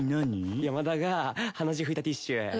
山田が鼻血拭いたティッシュ。